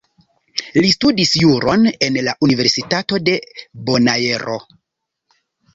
Li studis Juron en la Universitato de Bonaero.